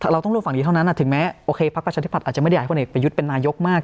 เราต้องร่วมฝั่งนี้เท่านั้นถึงแม้โอเคพักประชาธิบัตย์อาจจะไม่ได้อยากให้คนเอกประยุทธ์เป็นนายกมาก